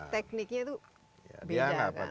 tekniknya itu beda kan